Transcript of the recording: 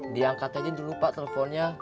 diangkat aja dulu pak teleponnya